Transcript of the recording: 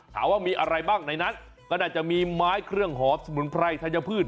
ถามว่ามีอะไรบ้างในนั้นก็น่าจะมีไม้เครื่องหอมสมุนไพรธัญพืช